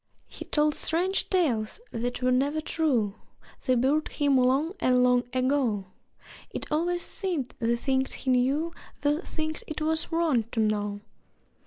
He told strange tales that were never true (They buried him long and long ago!) It always seemed the things he knew Were things it was wrong to know.